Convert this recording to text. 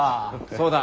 そうだ。